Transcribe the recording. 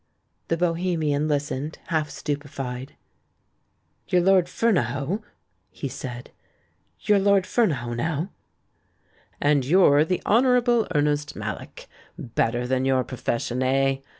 The bohemian listened, half stupefied. "You're Lord Fernahoe?" he said. "You're Lord Fernahoe now?" "And you're the Honourable Ernest Mallock. Better than your profession, eh?